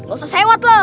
lo usah sewat lo